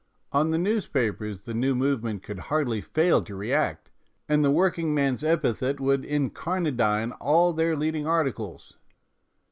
On the newspapers the new movement could hardly fail to react, and the working man's epithet would incar nadine all their leading articles.